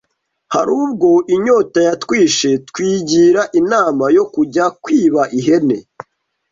hari ubwo inyota yatwishe twigira inama yo kujya kwiba ihene